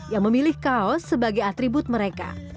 yang memilih kaos sebagai atribut mereka